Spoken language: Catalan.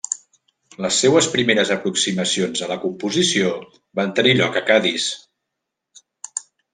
Les seues primeres aproximacions a la composició van tenir lloc a Cadis.